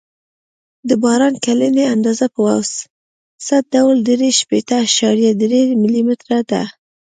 د باران کلنۍ اندازه په اوسط ډول درې شپېته اعشاریه درې ملي متره ده